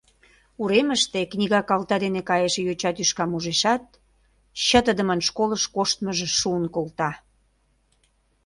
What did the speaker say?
Уремыште книга калта дене кайыше йоча тӱшкам ужешат, чытыдымын школыш коштмыжо шуын колта.